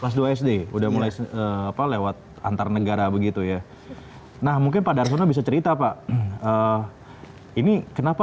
dua dua sd udah mulai apa lewat antarnegara begitu ya nah mungkin pada bisa cerita pak ini kenapa